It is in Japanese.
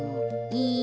いい？